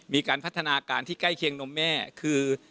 มีการพัฒนาการที่ใกล้เคียงนมแม่คือ